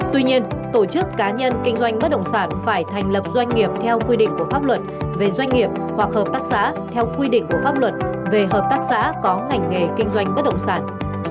tuy nhiên tổ chức cá nhân kinh doanh bất động sản phải thành lập doanh nghiệp theo quy định của pháp luật về doanh nghiệp hoặc hợp tác xã theo quy định của pháp luật về hợp tác xã có ngành nghề kinh doanh bất động sản